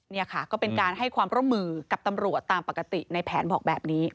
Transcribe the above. นี่ค่ะก็เป็นการให้ความร่วมมือกับตำรวจตามปกติในแผนบอกแบบนี้